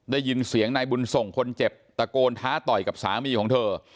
ได้ยินเสียงนายบุญส่งคนเจ็บตะโกนท้าต่อยกับสามีของเธอ